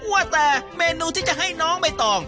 ว่าแต่เมนูที่จะให้น้องใบตอง